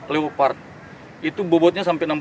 leopard itu bobotnya sampai